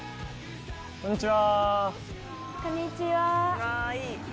こんにちは。